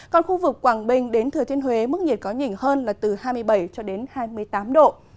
còn khu vực quang bình đến thừa thiên huế mức nhiệt có nhỉnh hơn là từ hai mươi bảy hai mươi tám độ